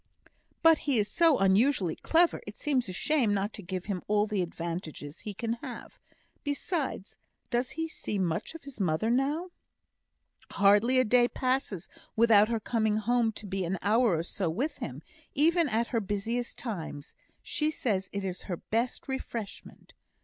"But he is so unusually clever, it seems a shame not to give him all the advantages he can have. Besides, does he see much of his mother now?" "Hardly a day passes without her coming home to be an hour or so with him, even at her busiest times; she says it is her best refreshment.